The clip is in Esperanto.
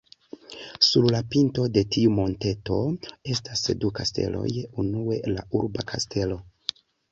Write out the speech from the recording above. Sur la pinto de tiu monteto estas du kasteloj, unue la urba kastelo.